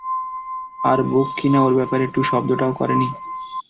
আর, ব্যুক কিনা ওর ব্যাপারে টুঁ শব্দটাও করেনি?